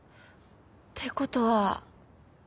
ってことは。